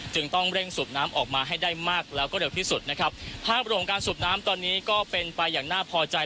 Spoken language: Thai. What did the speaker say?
ต้องเร่งสูบน้ำออกมาให้ได้มากแล้วก็เร็วที่สุดนะครับภาพรวมการสูบน้ำตอนนี้ก็เป็นไปอย่างน่าพอใจ